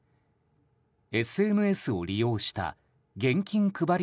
ＳＮＳを利用した現金配り